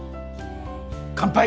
乾杯！